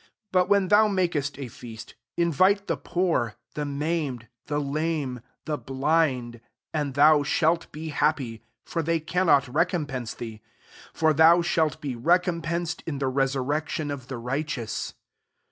IS But when thott makest a feast, invite the poor, the maim ed, the lame, the blind ; 14 and thou shah be happy : (for tkey cannot recompense thee;) for thou shalt be recompensed in the resurrection of the righte ous."